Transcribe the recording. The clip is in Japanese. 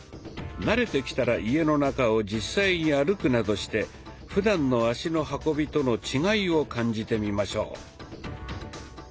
慣れてきたら家の中を実際に歩くなどしてふだんの足の運びとの違いを感じてみましょう。